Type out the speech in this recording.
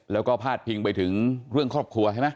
แล้วก็พาดพิงไปถึงเรื่องครอบครัวใช่ไหม